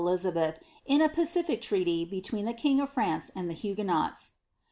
SSR^ of Dizabeth in a pacific treaty between the king of France and the Uagnenots.'